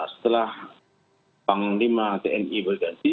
setelah panglima tni berganti